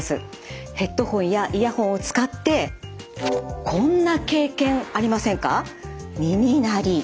ヘッドホンやイヤホンを使ってこんな経験ありませんか？